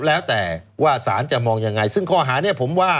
แล้วแต่ว่าสารจะมองยังไงซึ่งข้อหานี้ผมว่า